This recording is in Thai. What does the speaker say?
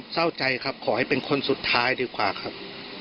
เศร้าใจครับขอให้เป็นคนสุดท้ายดีกว่าครับ